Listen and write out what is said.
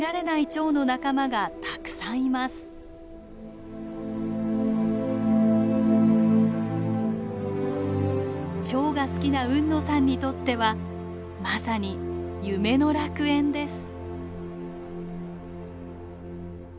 チョウが好きな海野さんにとってはまさに夢の楽園です。